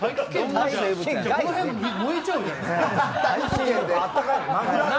この辺、燃えちゃうじゃないですか。